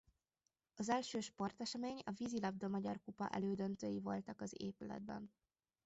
Az első sportesemény a vízilabda magyar kupa elődöntői voltak az épületben.